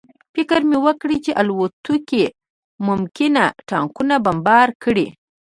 فکر مې وکړ چې الوتکې ممکن ټانکونه بمبار کړي